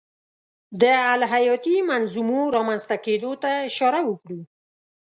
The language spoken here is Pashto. د الهیاتي منظومو رامنځته کېدو ته اشاره وکړو.